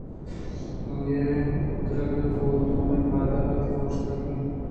آئی ءِ پُترگ ءَ گوں دوئیں پاد اتک ءُ اوشتات اَنت